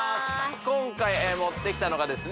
今回持ってきたのがですね